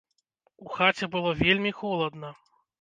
У хаце было вельмі холадна.